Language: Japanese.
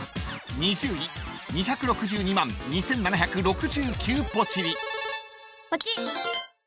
［２０位２６２万２，７６９ポチり］